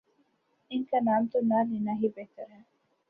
ان کا نام تو نہ لینا ہی بہتر ہے۔